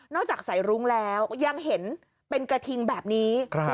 จากสายรุ้งแล้วยังเห็นเป็นกระทิงแบบนี้